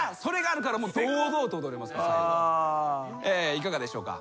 いかがでしょうか？